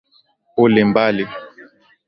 Uli mbali.